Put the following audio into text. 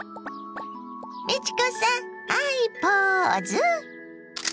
美智子さんハイポーズ！